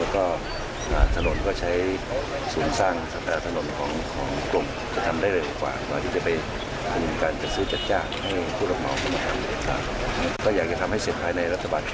ก็อยากจะทำให้เสร็จภายในรัฐบาลชุดนี้